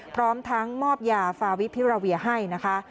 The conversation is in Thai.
พร้อมทั้งมอบยาฟาวิพิราเวียให้นะคะ